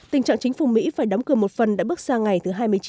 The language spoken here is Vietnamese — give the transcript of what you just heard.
tình trạng chính phủ mỹ phải đóng cửa một phần đã bước sang ngày thứ hai mươi chín